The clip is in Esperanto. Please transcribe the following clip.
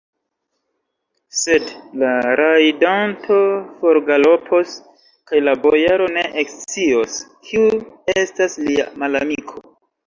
Sed la rajdanto forgalopos, kaj la bojaro ne ekscios, kiu estas lia malamiko.